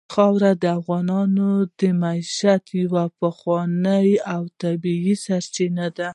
خاوره د افغانانو د معیشت یوه پخوانۍ او طبیعي سرچینه ده.